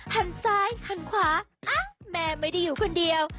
หันซ้ายหันขวาอ้าวแม่ไม่ได้อยู่คนเดียว